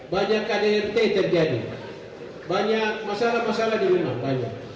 banyak kdrt terjadi banyak masalah masalah didana banyak